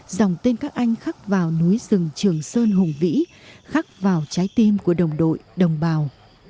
dòng tên các anh khắc vào núi rừng trường sơn hùng vĩ khắc vào trái tim của đồng đội đồng bào